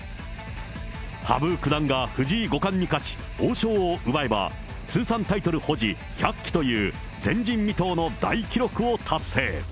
羽生九段が藤井五冠に勝ち、王将を奪えば、通算タイトル保持１００期という、前人未到の大記録を達成。